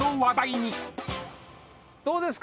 どうですか？